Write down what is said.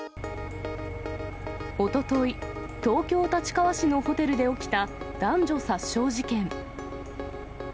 おととい、東京・立川市のホテルで起きた男女殺傷事件。